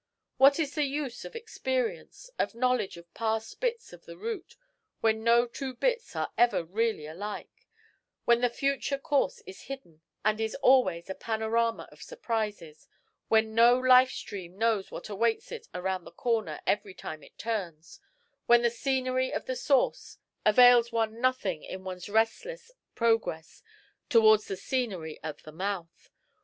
What is the use of experience, of knowledge of past bits of the route, when no two bits are ever really alike, when the future course is hidden and is always a panorama of surprises, when no life stream knows what awaits it round the corner every time it turns, when the scenery of the source avails one nothing in one's resistless progress towards the scenery of the mouth?